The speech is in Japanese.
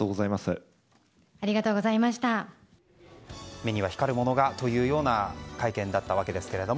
目には光るものがという会見だったわけですが。